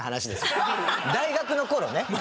大学の頃ね。